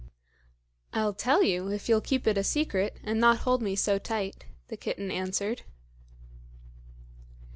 "I'll tell you, if you'll keep it a secret, and not hold me so tight," the kitten answered.